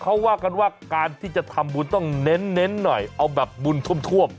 เขาว่ากันว่าการที่จะทำบุญต้องเน้นหน่อยเอาแบบบุญท่วม